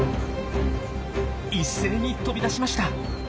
一斉に飛び出しました。